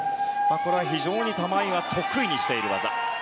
これは非常に玉井が得意にしている技。